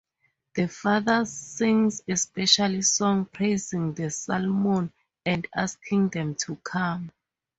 The father sings a special song praising the salmon, and asking them to come.